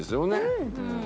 うん。